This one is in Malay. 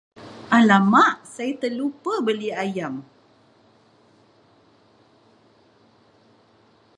Alamak, saya terlupa beli ayam!